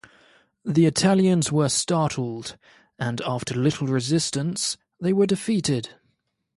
The Italians were startled, and after little resistance, they were defeated.